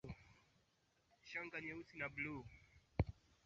Shanga nyeusi na bluu zilitengenezwa kutoka chuma mkaa mbegu udongo au pembe